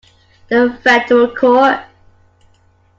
The federal court.